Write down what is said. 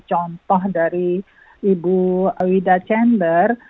contoh dari ibu wida chamber